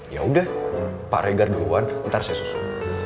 yaudah pak regar duluan ntar saya susu